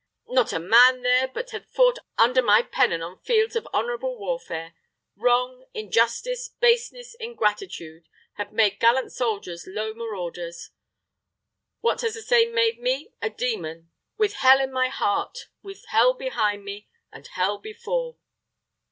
Not a man there but had fought under my pennon on fields of honorable warfare. Wrong, injustice, baseness, ingratitude, had made gallant soldiers low marauders what has the same made me a demon, with hell in my heart, with hell behind me, and hell before!"